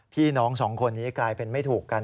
พี่น้องสองคนนี้กลายเป็นไม่ถูกกัน